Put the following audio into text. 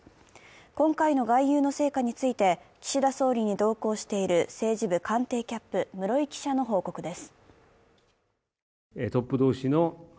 今回の外遊の成果について、岸田総理に同行している政治部官邸キャップ・室井記者の報告です。